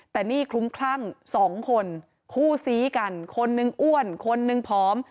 แต่นี่คลุ้มคลั่งสองคนคู่ซี้กันคนนึงอ้วนคนหนึ่งผอม